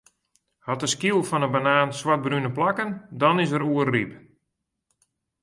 Hat de skyl fan 'e banaan swartbrune plakken, dan is er oerryp.